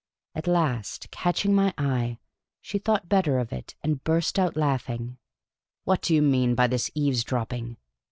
At last, catching my eye, she thought better of it, and burst out laughing. " What do you mean by this eavesdropping